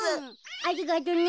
ありがとうね。